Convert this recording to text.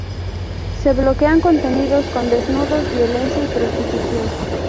Se bloquean contenidos con desnudos, violencia y prostitución.